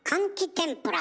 天ぷら！